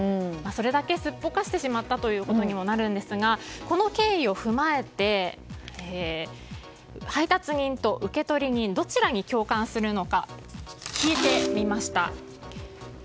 それだけすっぽかしてしまったことにもなるんですがこの経緯を踏まえて配達人と受取人どちらに共感するのか聞いてみました。